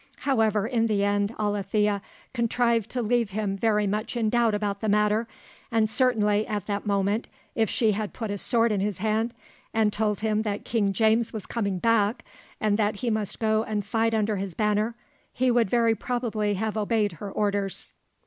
However, in the end Alethea contrived to leave him very much in doubt about the matter, and certainly at that moment, if she had put a sword in his hand, and told him that King James was coming back, and that he must go and fight under his banner, he would very probably have obeyed her orders.